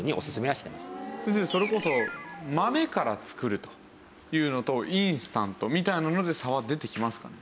先生それこそ豆から作るというのとインスタントみたいなので差は出てきますかね？